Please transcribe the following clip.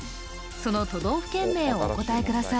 その都道府県名をお答えください